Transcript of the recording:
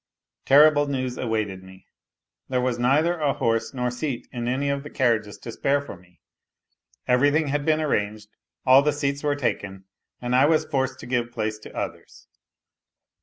... Terrible news awaited me. There was neither a horse nor seat in any of the carriages to spare for me; everything had been arranged, all the seats were taken, and I was forced to give place to others.